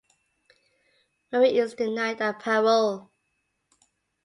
Marie is denied a parole.